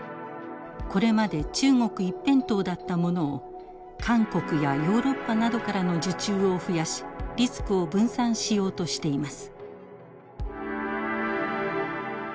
これまで中国一辺倒だったものを韓国やヨーロッパなどからの受注を増やしリスクを分散しようとしています。